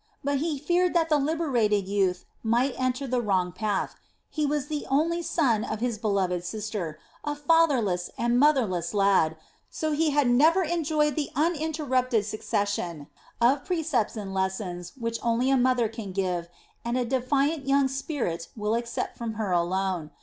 But he feared that the liberated youth might enter the wrong path. He was the only son of his beloved sister, a fatherless and motherless lad, so he had never enjoyed the uninterrupted succession of precepts and lessons which only a mother can give and a defiant young spirit will accept from her alone.